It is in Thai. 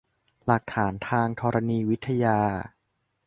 หลักฐานทางธรณีวิทยา